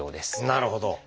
なるほど！